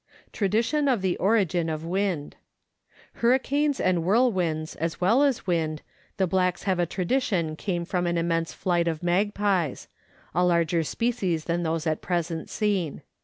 Tradition of the Origin of Wind. Hurricanes and whirl winds, as well as wind, the blacks have a tradition came from an immense flight of magpies a larger species than those at present seen.